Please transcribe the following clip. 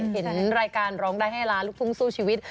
เห็นรายการร้องได้ให้ล้านลูกทุ่งสู้ชีวิต